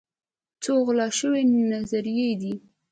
څو غلا شوي نظريې دي